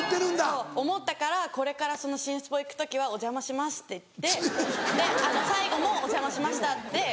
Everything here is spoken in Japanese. そう思ったからこれから心スポ行く時は「お邪魔します」って言ってで最後も「お邪魔しました」って。